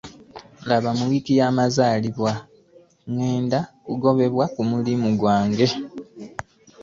Mu wiiki ya mazalibwa gandge nagobebwa ku mulimu gwange.